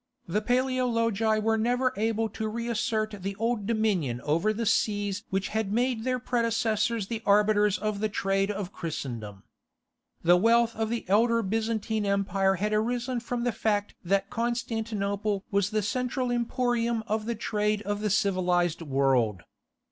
The Paleologi were never able to reassert the old dominion over the seas which had made their predecessors the arbiters of the trade of Christendom. The wealth of the elder Byzantine Empire had arisen from the fact that Constantinople was the central emporium of the trade of the civilized world.